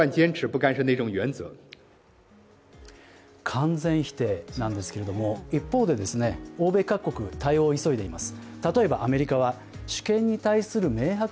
完全否定なんですけれども、一方で、欧米各国、対応を急いでいます。